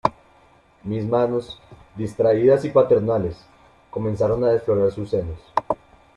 mis manos, distraídas y paternales , comenzaron a desflorar sus senos.